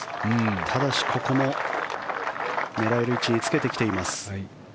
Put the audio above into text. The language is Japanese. ただし、ここも狙える位置につけてきています。